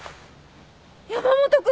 山本君！